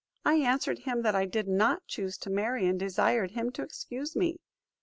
I answered him, that I did not choose to marry, and desired him to excuse me.